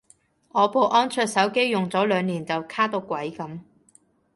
我部安卓手機用咗兩年就卡到鬼噉